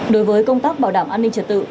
đối với công tác bảo đảm an ninh trật tự